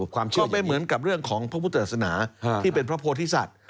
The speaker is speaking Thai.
ก็ไม่เหมือนกับเรื่องของพระพุทธอาสนาที่เป็นพระโพธิศัตริย์